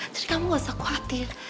jadi kamu nggak usah khawatir